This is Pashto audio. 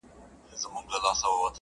o گوره په ما باندي ده څومره خپه،